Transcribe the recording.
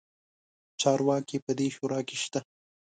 چارواکي په دې شورا کې شته.